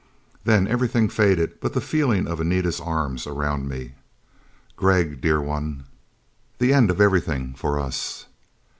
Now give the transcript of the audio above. Then everything faded but the feeling of Anita's arms around me. "Gregg, dear one " The end of everything for us....